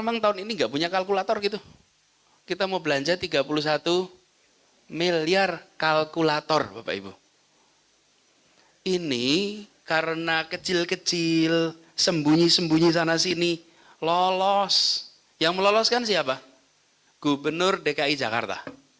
anggaran ini dikirimkan oleh gubernur dki jakarta